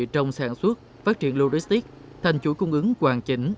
trong sản xuất phát triển loristik thành chủ cung ứng hoàn chỉnh